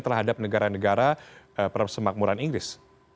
terhadap negara negara persemakmuran inggris